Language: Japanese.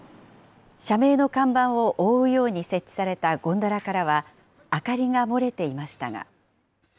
社名の看板を覆うように設置されたゴンドラからは明かりが漏れていましたが。